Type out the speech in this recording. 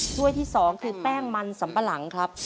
ถ้วยที่๒คือแป้งมันสำปะหลังครับ